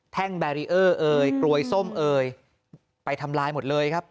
แบรีเออร์เอ่ยกลวยส้มเอ่ยไปทำลายหมดเลยครับ